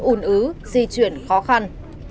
un ứ di chuyển khó khăn